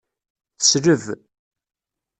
Tesleb.